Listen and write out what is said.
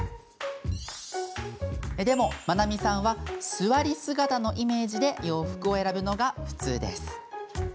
でも、まなみさんは座り姿のイメージで洋服を選ぶのが普通なんです。